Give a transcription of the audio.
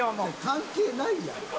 関係ないやん。